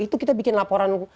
itu kita bikin laporan